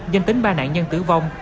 danh tính ba nạn nhân tử vong